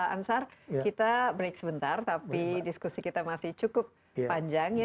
ansar kita break sebentar tapi diskusi kita masih cukup panjang ya